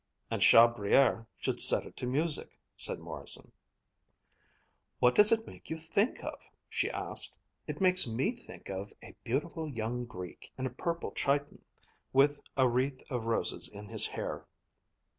"And Chabrier should set it to music," said Morrison. "What does it make you think of?" she asked. "It makes me think of a beautiful young Greek, in a purple chiton, with a wreath of roses in his hair."